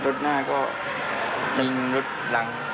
รถหน้าก็ยิงรถหลัง